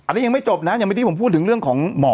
อันนี้ยังไม่จบนะยังไม่ได้ที่ผมพูดถึงเรื่องของหมอ